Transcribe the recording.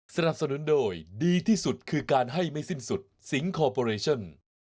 สนับสนุนโดยดีที่สุดคือการให้ไม่สิ้นสุดสิงคอร์ปอเรชั่น